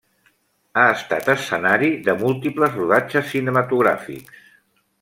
Ha estat escenari de múltiples rodatges cinematogràfics.